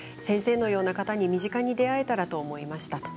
先生のような方に身近に出会えたらと思いました。